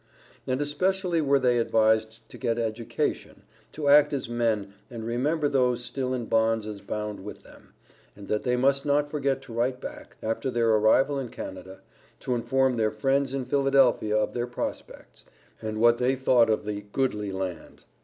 And especially were they advised to get education; to act as men, and remember those still in bonds as bound with them, and that they must not forget to write back, after their arrival in Canada, to inform their friends in Philadelphia of their prospects, and what they thought of the "goodly land."